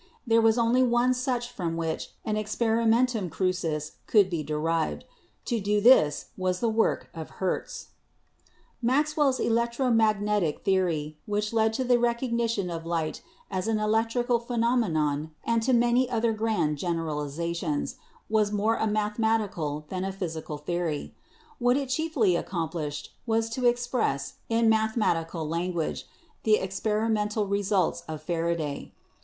There was only one such from which an experimentum crucis could be derived. To do this was the work of Hertz." Maxwell's electromagnetic theory, which led to the recognition of light as an electrical phenomenon and to NATURE AND FORCE 151 many other grand generalizations, was more a mathemati cal than a physical theory. What it chiefly accomplished was to express, in mathematical language, the experi mental results of Faraday.